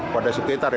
pada sekitar ya